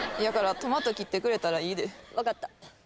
やからトマト切ってくれたらいいで分かった